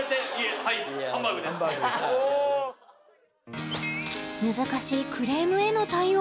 はい難しいクレームへの対応